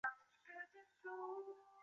系统的名字通常是名称的一部分。